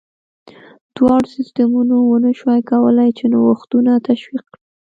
دواړو سیستمونو ونه شوای کولای چې نوښتونه تشویق کړي.